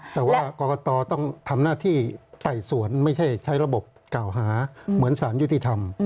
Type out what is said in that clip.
แต่ว่ากรกตต้องทำหน้าที่ไต่สวนไม่ใช่ใช้ระบบกล่าวหาเหมือนสารยุติธรรม